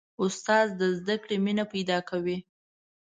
استاد د زده کړې مینه پیدا کوي.